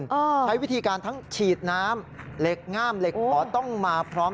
ใช้วิธีการทั้งฉีดน้ำเหล็กง่ามเหล็กขอต้องมาพร้อม